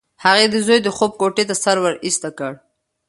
هغې د زوی د خوب کوټې ته سر ورایسته کړ.